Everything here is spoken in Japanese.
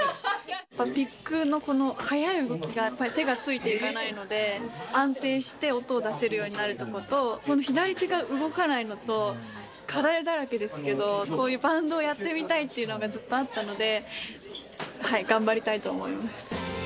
ピックのこの速い動きが、やっぱり手がついていかないので、安定して音を出せるようになるとこと、左手が動かないのと、課題だらけですけど、こういうバンドをやってみたいっていうのが、ずっとあったので、頑張りたいと思います。